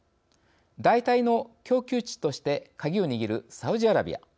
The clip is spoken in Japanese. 代替の供給地としてカギを握る、サウジアラビア。